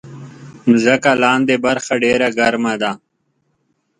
مځکه لاندې برخه ډېره ګرمه ده.